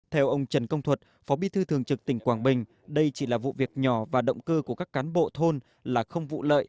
theo ông trần công thuật phó bí thư thường trực tỉnh quảng bình đây chỉ là vụ việc nhỏ và động cơ của các cán bộ thôn là không vụ lợi